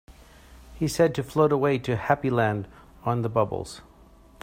He said to float away to Happy Land on the bubbles.